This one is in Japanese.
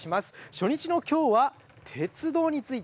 初日の今日は鉄道について。